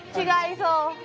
違いそう。